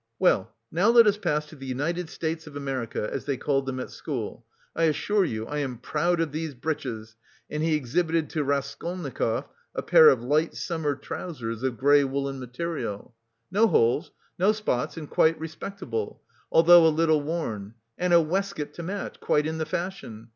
Well, now let us pass to the United States of America, as they called them at school. I assure you I am proud of these breeches," and he exhibited to Raskolnikov a pair of light, summer trousers of grey woollen material. "No holes, no spots, and quite respectable, although a little worn; and a waistcoat to match, quite in the fashion.